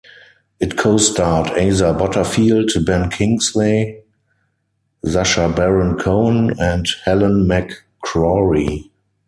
It co-starred Asa Butterfield, Ben Kingsley, Sacha Baron Cohen and Helen McCrory.